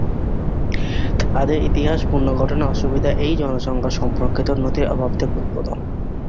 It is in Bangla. তাদের ইতিহাস পুনর্গঠনে অসুবিধা এই জনসংখ্যা সম্পর্কিত নথির অভাব থেকে উদ্ভূত।